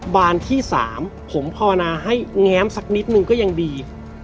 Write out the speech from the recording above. บานที่๓ผมภาวนาให้แง้มสักนิดนึงก็ยังดี